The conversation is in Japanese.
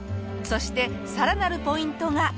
そしてさらなるポイントが。